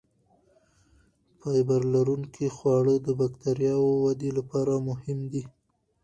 فایبر لرونکي خواړه د بکتریاوو ودې لپاره مهم دي.